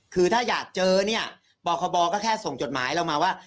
คือถ้าอยากเจอเนี่ยบคบก็แค่ส่งจดหมายเรามาว่า